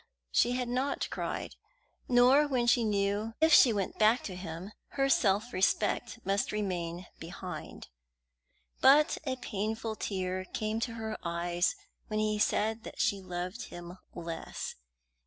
she had not cried, nor when she knew that if she went back to him her self respect must remain behind. But a painful tear came to her eyes when he said that she loved him less.